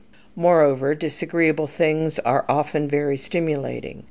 Moreover, disagreeable things are often very stimulating.